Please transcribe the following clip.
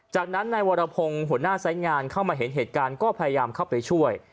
จากนั้นนายวรพงศ์หัวหน้าสายงานเข้ามาเห็นเหตุการณ์ก็พยายามเข้าไปช่วย